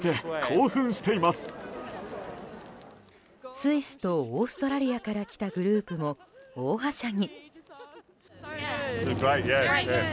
スイスとオーストラリアから来たグループも、大はしゃぎ。